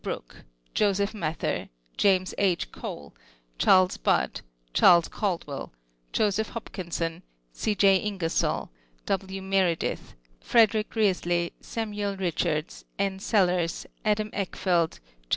IJrooke, Joseph Mather, James 11. Cole, (Jharles Hudd, Ch. Caldwtll, Josepii Hnpkinson, C. J. Itig ersoll, AV. Meredith, l 'rederick Beasley, Samuel liichards, X. Sellers, Adam Eckfeldt, Jos.